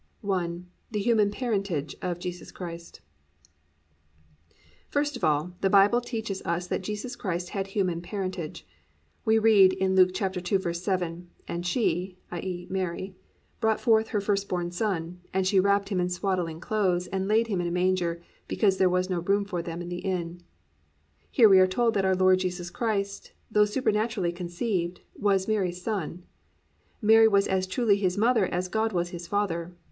I. THE HUMAN PARENTAGE OF JESUS CHRIST First of all, the Bible teaches us that Jesus Christ had a human parentage. We read in Luke 2:7, +"And she+ (i.e., Mary) +brought forth her first born Son; and she wrapped him in swaddling clothes, and laid him in a manger, because there was no room for them in the inn."+ Here we are told that our Lord Jesus Christ, though supernaturally conceived, was Mary's Son. Mary was as truly His mother as God was His Father.